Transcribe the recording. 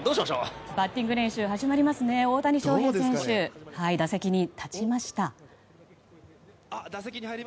バッティング練習始まりますね、大谷選手打席に立ちました。